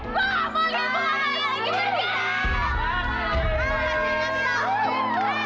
pergi gue nggak mau lihat gue sama dia lagi pergi